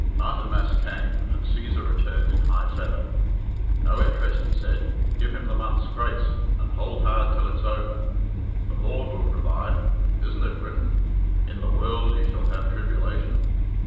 Martinmas came, and Cæsar returned in high feather. "No interest," he said. "Give him the month's grace, and hould hard till it's over. The Lord will provide. Isn't it written, 'In the world ye shall have tribulation'?